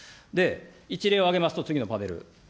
一例を挙げますと、次のパネル。